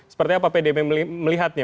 seperti apa pdip melihatnya